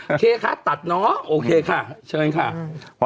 โอเคค่ะตัดเนาะโอเคค่ะเชิญค่ะ